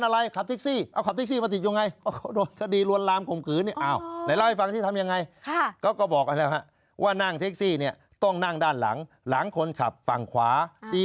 เหรอฮะเรื่องนี้แหละครับประกอบ